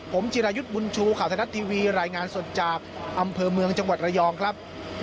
ผมจิรายุทธ์บุญชูข่าวไทยรัฐทีวีรายงานสดจากอำเภอเมืองจังหวัดระยองครับ